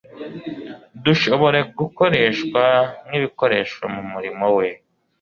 dushobora gukoreshwa nk'ibikoresho mu murimo we.